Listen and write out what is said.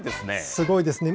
すごいですね。